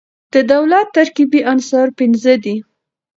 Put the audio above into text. د دولت ترکيبي عناصر پنځه دي.